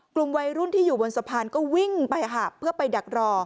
กลุ่มวัยรุ่นที่อยู่บนสะพานก็วิ่งไปค่ะเพื่อไปดักรอ